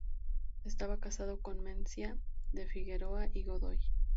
Estaba casado con Mencía de Figueroa y Godoy.